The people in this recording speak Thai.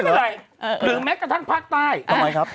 ไม่เป็นไรเออถึงแม้กระทั่งภาคใต้ทำไมครับ